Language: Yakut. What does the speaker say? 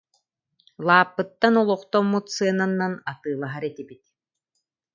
Лааппыттан олохтоммут сыананан атыылаһар этибит.